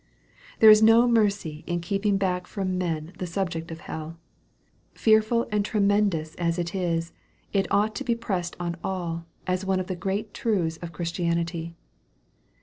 There is no mercy in keeping back from men the sub ject of hell. Fearful and tremendous as it is, it ought to be pressed on all, as one of the great truths of Chris tianity.